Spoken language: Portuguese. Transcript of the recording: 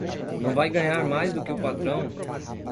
Não vai ganhar mais do que o patrão